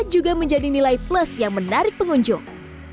juga menjadi nilai plus yang menarik pengunjung